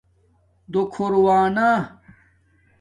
دُو کُھونا